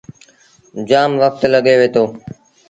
جآم وکت لڳيو وهيٚتو۔